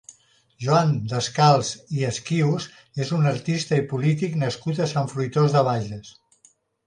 Joan Descals i Esquius és un artista i polític nascut a Sant Fruitós de Bages.